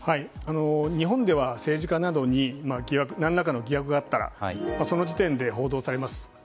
日本では政治家などに何らかの疑惑があったらその時点で報道されます。